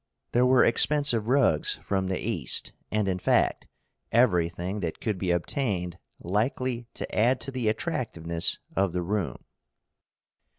There were expensive rugs from the East, and, in fact, everything that could be obtained likely to add to the attractiveness of the room.